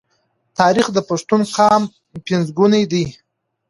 تاریخ د پښتون قام پنځونکی دی.